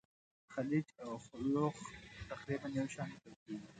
خلج او خُلُّخ تقریبا یو شان لیکل کیږي.